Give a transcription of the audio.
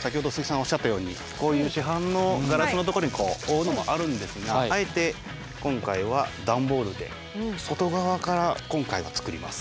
先ほど鈴木さんがおっしゃったようにこういう市販のガラスのところにこう覆うのもあるんですがあえて今回は段ボールで外側から今回は作ります。